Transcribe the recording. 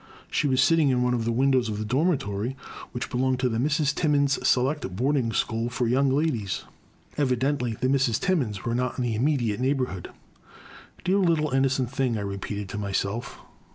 She was sitting in one of the windows of the dormitory which belonged to the Misses Timmins' Select Boarding school for Young Ladies ! Evidently the Misses Timmins were not in the immediate neighbourhood. Dear little innocent thing," I repeated to myself.